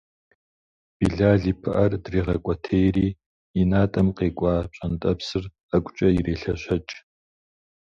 Билал и пыӏэр дрегъэкӏуэтейри и натӏэм къекӏуа пщӏантӏэпсыр ӏэгукӏэ ирелъэщӏэкӏ.